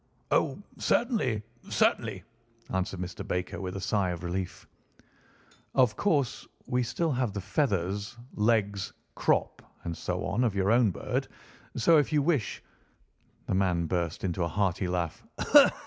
"Oh, certainly, certainly," answered Mr. Baker with a sigh of relief. "Of course, we still have the feathers, legs, crop, and so on of your own bird, so if you wish—" The man burst into a hearty laugh.